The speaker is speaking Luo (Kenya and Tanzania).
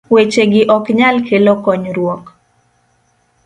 weche gi ok nyal kelo konyruok